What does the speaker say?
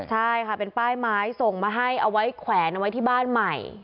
ใช่ค่ะเป็นป้ายไม้ส่งมาให้เอาไว้แขวนเอาไว้ที่บ้านใหม่